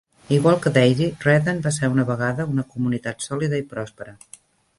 Igual que Daisy, Redden va ser, una vegada, una comunitat sòlida i pròspera.